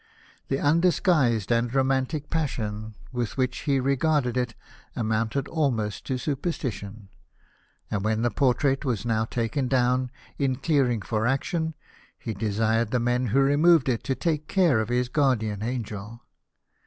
The undisguised and romantic passion with which he regarded it amounted almost to superstition ; and when the portrait was now taken down, in clearing for action, he desired the men who removed it to " take care of his guardian angel."